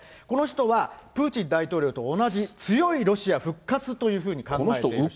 この人はプーチン大統領と同じ強いロシア復活というふうに考えている。